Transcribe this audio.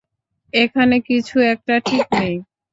এখানে কিছু একটা ঠিক নেই।